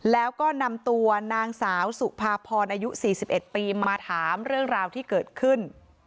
แล้วก็นำตัวนางสาวสุภาพรอายุ๔๑ปีมาถามเรื่องราวที่เกิดขึ้น